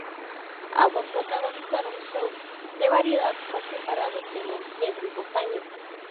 Ambos protagonizaron shows de variedades por separado en los siguientes dos años.